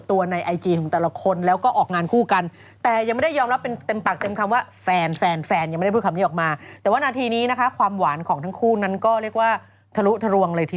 แต่ไม่มีความจำเป็นที่ต้องคุยอะไรกันแต่ถ้ามีธุระก็ช่วยได้